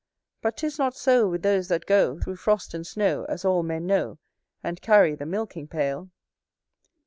But 'tis not so With those that go Thro'frost and snow As all men know, And carry the milking pail.